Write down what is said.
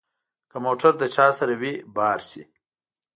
که موټر له چا سره وي بار شي.